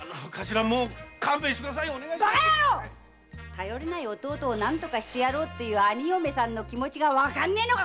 頼りない弟を何とかしてやろうという兄嫁さんの気持ちがわかんねえのか！